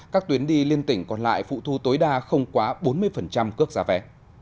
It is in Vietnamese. các tuyến đi liên tỉnh còn lại phụ thu tối đa không quá bốn mươi cước giá vé